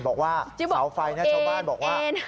บอกว่าสาวไฟนัชบ้านบอกว่า